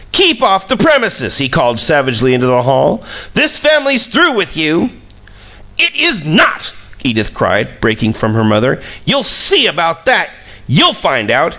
"Keep off the premises!" he called savagely into the hall. "This family's through with you!" "It is NOT!" Edith cried, breaking from her mother. "You'll SEE about that! You'll find out!